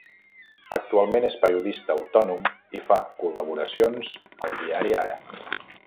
Actualment és periodista autònom i fa col·laboracions al Diari Ara.